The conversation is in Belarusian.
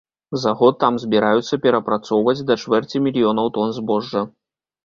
За год там збіраюцца перапрацоўваць да чвэрці мільёнаў тон збожжа.